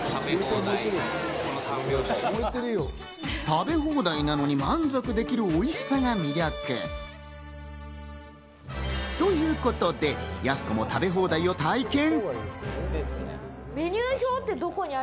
食べ放題なのに満足できるおいしさが魅力。ということで、やす子も食べ放題を体験。